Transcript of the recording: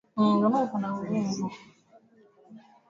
nza ni seme huwa siziamini na